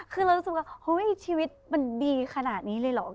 คือรู้สึกว่าชีวิตมันดีขนาดนี้เลยหรอก